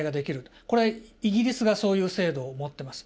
これ、イギリスがそういう制度を持ってます。